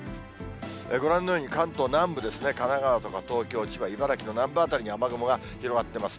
ご覧のように、関東南部ですね、神奈川とか、東京、千葉、茨城の南部辺りに、今、雨雲が広がっています。